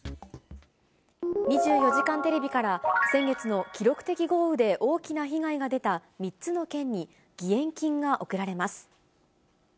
２４時間テレビから先月の記録的豪雨で大きな被害が出た３つの県に義援金が送られます。